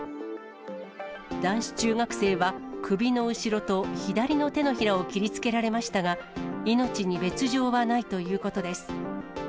男子中学生は首の後ろと左の手のひらを切りつけられましたが、命に別状はないということです。